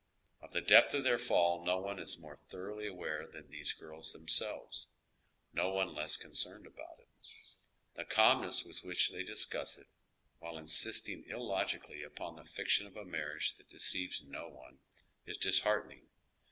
Of the depth of their fall no one is more thoroughly aware than these girls themselves ; no one less concerned about it. The calmness with which they discuss it, while insisting illogically upon the fiction of a marriage that deceives no one, is disheartening.